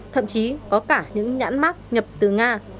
thậm chí có cả những nhãn mát nhập từ nga